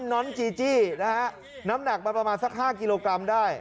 น้องจีจี้น้ำหนักประมาณ๕กิโลกรัมได้